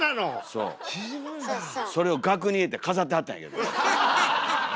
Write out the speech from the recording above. それを額に入れて飾ってはったんやけど。